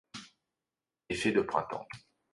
Effet de printemps